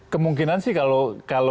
kemungkinan sih kalau